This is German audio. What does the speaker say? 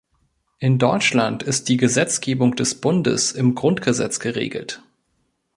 In Deutschland ist die Gesetzgebung des Bundes im Grundgesetz geregelt.